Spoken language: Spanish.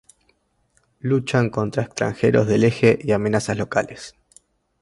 Luchan contra extranjeros del Eje y amenazas locales.